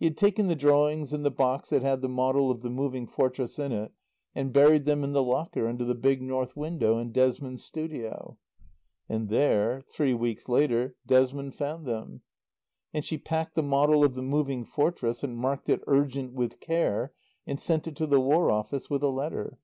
He had taken the drawings and the box that had the model of the Moving Fortress in it and buried them in the locker under the big north window in Desmond's studio. And there, three weeks later, Desmond found them. And she packed the model of the Moving Fortress and marked it "Urgent with Care," and sent it to the War Office with a letter.